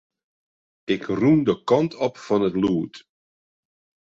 Ik rûn de kant op fan it lûd.